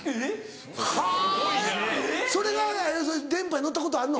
はぁそれが電波に乗ったことあんの？